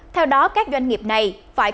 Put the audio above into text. theo đó các doanh nghiệp này phải khắc phục